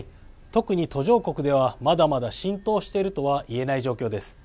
特に途上国ではまだまだ浸透しているとは言えない状況です。